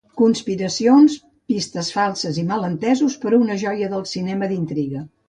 Conspiracions, pistes falses i malentesos per a una joia del cinema d'intriga.